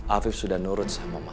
afif sudah nurut sama mama